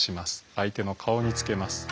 相手の顔につけます。